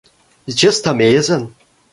It's just amazing.